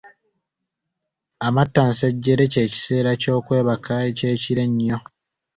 Amattansejjere ky'ekiseera ky’okwebaka eky’ekiro ennyo.